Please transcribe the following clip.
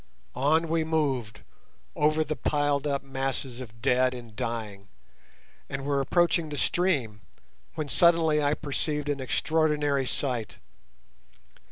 On we moved, over the piled up masses of dead and dying, and were approaching the stream, when suddenly I perceived an extraordinary sight.